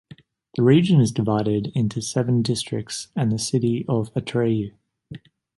The region is divided into seven districts and the city of Atyrau.